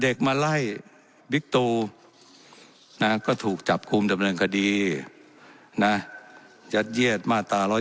เด็กมาไล่บิ๊กตูนะก็ถูกจับคุมดำเนินคดีนะยัดเยียดมาตรา๑๑